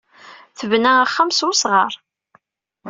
Tebna axxam s wesɣar.